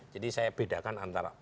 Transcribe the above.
jadi saya bedakan antara